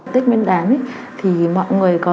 tết miên đán thì mọi người